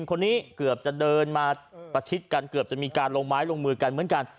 คนนี้เกือบจะเดินมาประชิดกันเกือบจะมีการลงไม้ลงมือกันเหมือนกัน